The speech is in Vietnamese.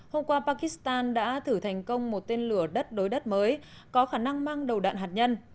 hôm qua pakistan đã thử thành công một tên lửa đất đối đất mới có khả năng mang đầu đạn hạt nhân